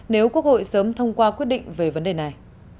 nếu quốc hội sớm thông qua quyết định về vấn đề này